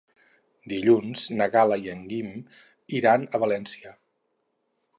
Dilluns na Gal·la i en Guim iran a València.